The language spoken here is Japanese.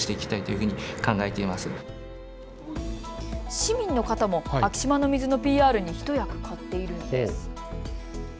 市民の方も昭島の水のＰＲに一役買っているんです。